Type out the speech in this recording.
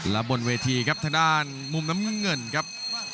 และบนเวทีครับทางด้านมุมน้ำเงินครับ